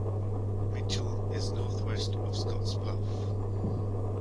Mitchell is northwest of Scottsbluff.